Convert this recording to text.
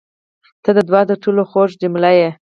• ته د دعا تر ټولو خوږه جمله یې.